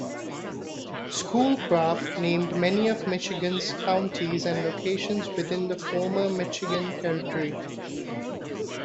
Schoolcraft named many of Michigan's counties and locations within the former Michigan Territory.